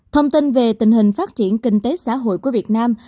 thông tin về tình hình phát triển kinh tế xã hội của việt nam